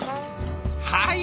はい。